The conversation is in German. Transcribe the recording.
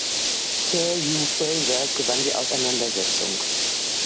Sir Hugh Fraser gewann die Auseinandersetzung.